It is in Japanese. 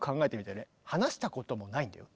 話したこともないんだよ。